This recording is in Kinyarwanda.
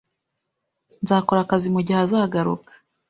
Nzakora akazi mugihe azagaruka